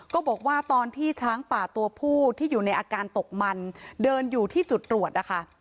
บอกว่าตอนที่ช้างป่าตัวผู้ที่อยู่ในอาการตกมันเดินอยู่ที่จุดตรวจนะคะ